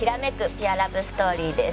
ピュア・ラブストーリーです。